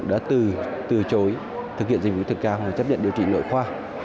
đã từ từ chối thực hiện dịch vụ thực cao và chấp nhận điều trị nội khoa